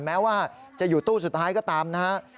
แม้ว่าจะอยู่ตู้สุดท้ายก็ตามนะฮะ